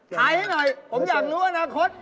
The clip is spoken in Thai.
ถ่ายให้หน่อยผมอยากรู้อนาคต